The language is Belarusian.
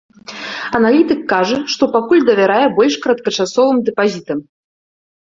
Аналітык кажа, што пакуль давярае больш кароткачасовым дэпазітам.